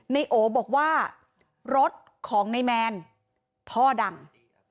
ในโอบอกว่ารถของในแมนท่อดัง